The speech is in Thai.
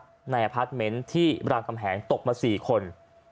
ต้องพักในอพาร์ทเม้นท์ที่ราบกำแหงตกมา๔คน